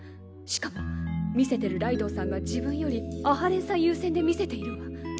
しかも見せてるライドウさんが自分より阿波連さん優先で見せているわ。